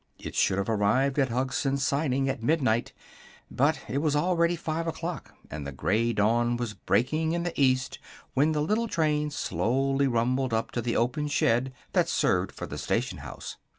It should have arrived at Hugson's siding at midnight, but it was already five o'clock and the gray dawn was breaking in the east when the little train slowly rumbled up to the open shed that served for the station house.